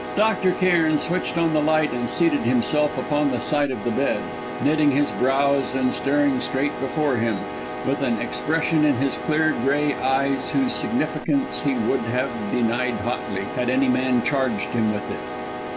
Dr. Cairn switched on the light and seated himself upon the side of the bed, knitting his brows and staring straight before him, with an expression in his clear grey eyes whose significance he would have denied hotly, had any man charged him with it.